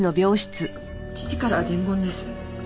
父から伝言です。